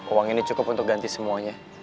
uang ini cukup untuk ganti semuanya